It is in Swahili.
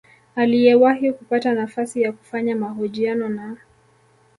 aliyewahi kupata nafasi ya kufanya mahojiano na